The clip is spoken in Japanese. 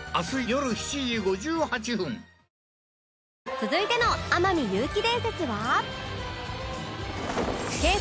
続いての天海祐希伝説は